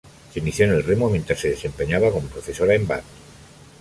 Se inició en el remo mientras se desempeñaba como profesora en Bath.